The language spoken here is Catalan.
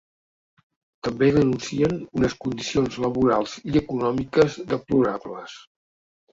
També denuncien unes ‘condicions laborals i econòmiques deplorables’.